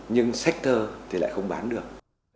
nhưng sách thơ thì lại không bán được